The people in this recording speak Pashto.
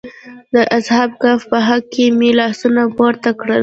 د اصحاب کهف په حق کې مې لاسونه پورته کړل.